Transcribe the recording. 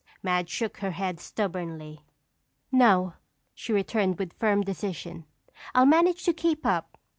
Madge shook her head stubbornly. "No," she returned with firm decision. "I'll manage to keep up.